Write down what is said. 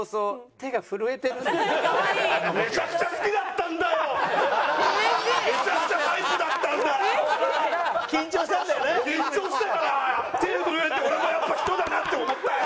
手震えて俺もやっぱ人だなって思ったよ！